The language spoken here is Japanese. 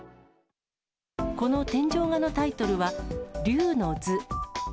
この天井画のタイトルは、龍之図。